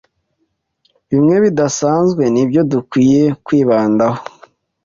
bimwe bidasanzwe nibyo dukwiye kwibandaho